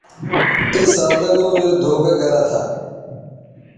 اے سادہ لوں رے دھوکہ گرہ تھہ